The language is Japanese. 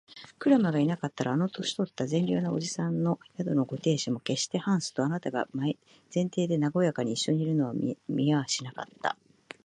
クラムがいなかったら、あの年とった善良な伯父さんの宿のご亭主も、けっしてハンスとあなたとが前庭でなごやかにいっしょにいるのを見はしなかった